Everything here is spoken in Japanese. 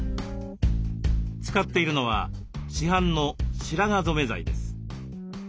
使っているのは市販の白髪染め剤です。